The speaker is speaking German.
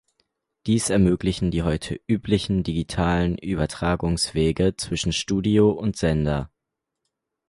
Dies ermöglichen die heute üblichen, digitalen Übertragungswege zwischen Studio und Sender.